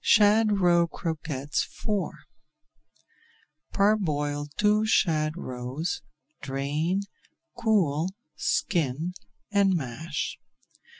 SHAD ROE CROQUETTES IV Parboil two shad roes, drain, cool, skin, and mash.